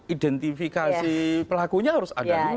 identifikasi pelakunya harus ada